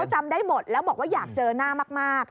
จำได้หมดแล้วบอกว่าอยากเจอหน้ามาก